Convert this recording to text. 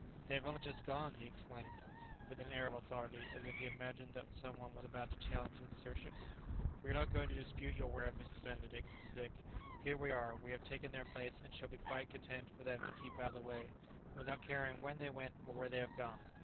"They have only just gone," he exclaimed, with an air of authority, as if he imagined that some one was about to challenge his assertion. "We are not going to dispute your word, Mr. Benedict," said Dick; "here we are; we have taken their place, and shall be quite content for them to keep out of the way, without caring when they went, or where they have gone."